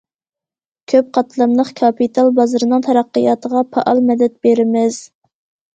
كۆپ قاتلاملىق كاپىتال بازىرىنىڭ تەرەققىياتىغا پائال مەدەت بېرىمىز.